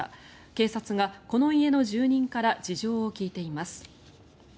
警察がこの家の住人から事情を聴いています。